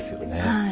はい。